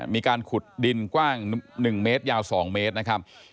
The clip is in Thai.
มีการขุดดินกว้าง๑เมตรยาว๒เมตรนะครับ